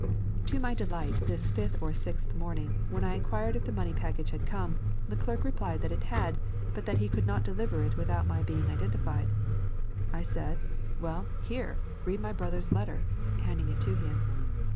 To my delight this fifth or sixth morning, when I inquired if the money package had come, the clerk replied that it had, but that he could not deliver it without my being identi fied. I said, "Well, here! read my brother's letter,' handing it to him.